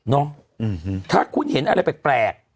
ถ้าคุณเห็นอะไรแปลก